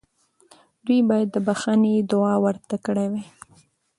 دوی باید د بخښنې دعا ورته کړې وای.